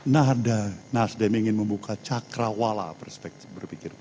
nada nasdem ingin membuka cakrawala perspektif berpikir